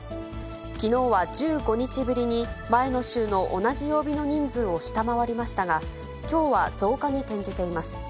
きのうは１５日ぶりに前の週の同じ曜日の人数を下回りましたが、きょうは増加に転じています。